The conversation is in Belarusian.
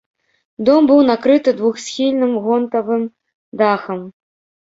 Дом быў накрыты двухсхільным гонтавым дахам.